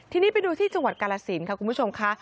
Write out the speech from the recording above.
ทีนี้ไปดูที่จังหวัดกาลสินค่ะคุณผู้ชมค่ะ